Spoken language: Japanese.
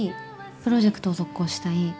プロジェクトを続行したい。